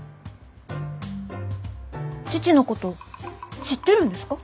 父のこと知ってるんですか？